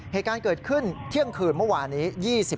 เหตุการณ์เกิดขึ้นเที่ยงคืนเมื่อวานนี้